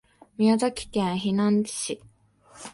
宮崎県日南市